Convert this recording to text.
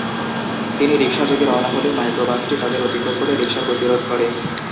তিনি রিকশাযোগে রওনা হলে মাইক্রোবাসটি তাঁদের অতিক্রম করে রিকশার গতিরোধ করে।